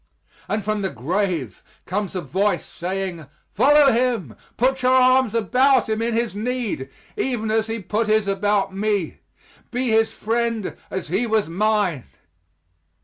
And from the grave comes a voice, saying, "Follow him! put your arms about him in his need, even as he put his about me. Be his friend as he was mine."